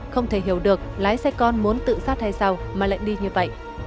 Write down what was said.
không thể hiểu được lái xe con muốn tự sát hay sau mà lại đi như vậy